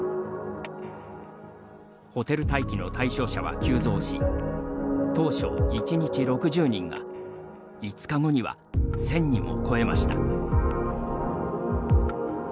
ホテル待機の対象者は急増し当初の１日６０人が５日後には１０００人を超えました。